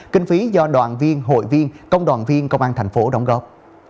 kinh phí do đoàn viên hội viên công đoàn viên công an tp hcm đóng góp